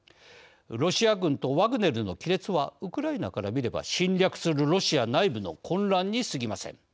ロシア軍とワグネルの亀裂はウクライナから見れば侵略するロシア内部の混乱にすぎません。